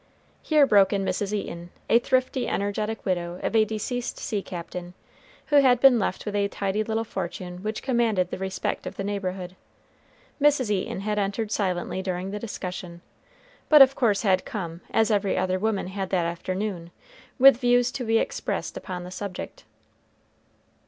Here broke in Mrs. Eaton, a thrifty energetic widow of a deceased sea captain, who had been left with a tidy little fortune which commanded the respect of the neighborhood. Mrs. Eaton had entered silently during the discussion, but of course had come, as every other woman had that afternoon, with views to be expressed upon the subject.